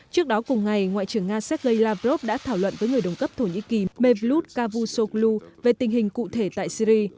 trước đó cùng ngày ngoại trưởng nga sergei lavrov đã thảo luận với người đồng cấp thổ nhĩ kỳ mevlut cavusoglu về tình hình cụ thể tại syri